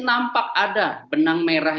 nampak ada benang merah